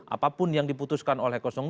apapun yang diputuskan oleh dua